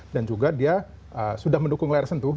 dan juga dia sudah mendukung layar sentuh